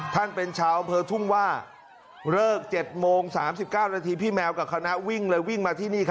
เป็นชาวอำเภอทุ่งว่าเลิก๗โมง๓๙นาทีพี่แมวกับคณะวิ่งเลยวิ่งมาที่นี่